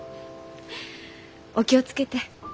お気を付けて。